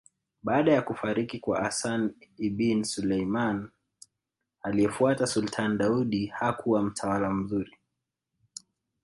Baada ya kufariki kwa Hassan Ibin Suleman aliyefuata Sultan Daudi hakuwa mtawala mzuri